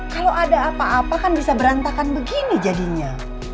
kalau ada apa apa kan bisa berantakan begini jadinya